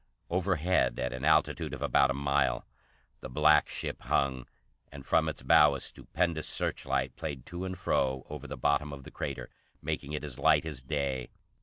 Overhead, at an altitude of about a mile, the black ship hung, and from its bow a stupendous searchlight played to and fro over the bottom of the crater, making it as light as day.